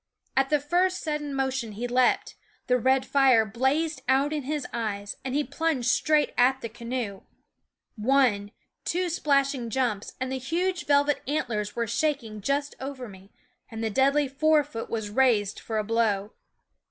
At the first sud den motion he leaped; the red fire blazed out in his eyes, and he plunged straight at the canoe one, two splashing jumps, and the huge velvet antlers were shaking just over me and the deadly fore foot was raised for a blow.